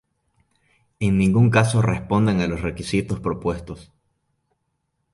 En ningún caso responden a los requisitos propuestos.